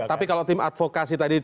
tapi kalau tim advokasi tadi